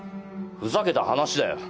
ふざけた話だよ。